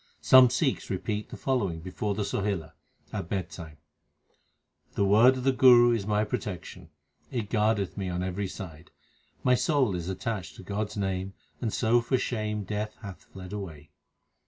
Some Sikhs repeat the following before the Sohila, at bed time : The word of the Guru is my protection ; It guardeth me on every side. My soul is attached to God s name, And so for shame Death hath fled away.